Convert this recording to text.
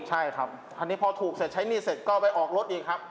ใช่ครับอันนี้พอถูกเสร็จใช้หนี้เสร็จก็ไปออกรถอีกครับ